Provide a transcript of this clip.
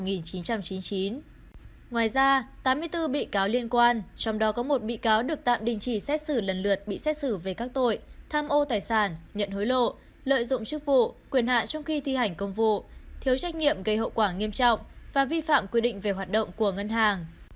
ngoài ra tám mươi bốn bị cáo liên quan trong đó có một bị cáo được tạm đình chỉ xét xử lần lượt bị xét xử về các tội tham ô tài sản nhận hối lộ lợi dụng chức vụ quyền hạn trong khi thi hành công vụ thiếu trách nhiệm gây hậu quả nghiêm trọng và vi phạm quy định về hoạt động của ngân hàng